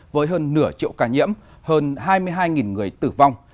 với hơn nửa triệu ca nhiễm hơn hai mươi hai người tử vong